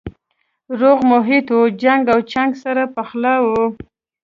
روغ محیط و جنګ او چنګ سره پخلا وو